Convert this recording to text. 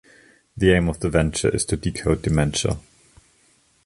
The aim of the venture is to decode dementia.